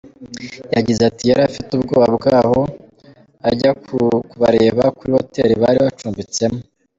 Yagize ati “Yari afite ubwoba bwabo, ajya kubareba kuri hoteli bari bacumbitsemo.